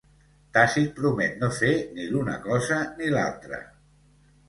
Tàcit promet no fer ni l'una cosa ni l'altra.